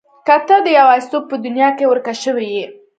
که ته د يوازيتوب په دنيا کې ورکه شوې يې.